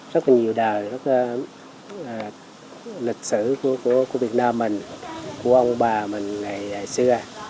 rất là nhiều đời rất lịch sử của việt nam mình của ông bà mình ngày xưa